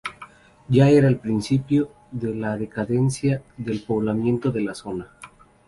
Ya era el principio de la decadencia del poblamiento de la zona.